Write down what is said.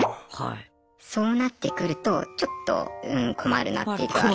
そうなってくるとちょっとうん困るなっていうか。